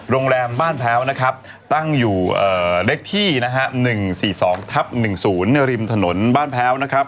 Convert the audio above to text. โรงแรมบ้านแพ้วนะครับตั้งอยู่เลขที่นะฮะ๑๔๒ทับ๑๐ริมถนนบ้านแพ้วนะครับ